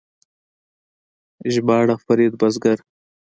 ژباړه فرید بزګر